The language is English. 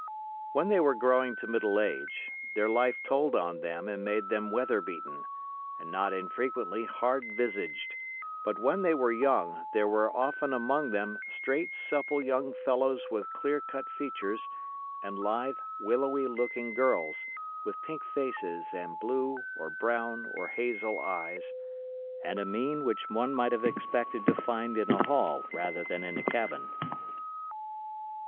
When they were growing to middle age, their life told on them and made them weather beaten, and not infrequently hard visaged; but when they were young there were often among them straight, supple young fellows with clear cut features, and lithe, willowy looking girls, with pink faces and blue, or brown, or hazel eyes, and a mien which one might have expected to find in a hall rather than in a cabin.